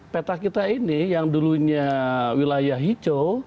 peta kita ini yang dulunya wilayah hijau